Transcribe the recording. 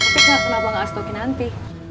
tapi kenapa nggak stokin nanti